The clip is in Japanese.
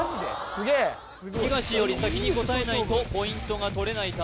すげえ！東より先に答えないとポイントが取れないため